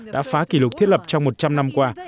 đã phá kỷ lục thiết lập trong một trăm linh năm qua